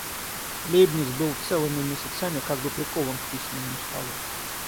Лейбниц был целыми месяцами как бы прикован к письменному столу.